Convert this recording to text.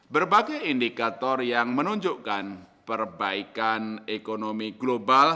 berbagai indikator yang menunjukkan perbaikan ekonomi global